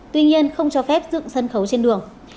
tuy nhiên không cho phép dựng sân khấu trên đường